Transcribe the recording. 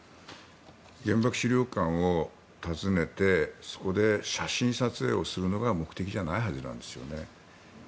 原爆資料館を訪ねてそこで写真撮影をするのが目的じゃないはずなんですよね。